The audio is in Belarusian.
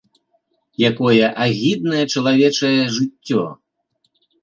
Якое агіднае чалавечае жыццё.